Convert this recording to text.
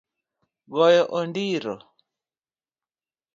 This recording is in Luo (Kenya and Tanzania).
Goyo ondiro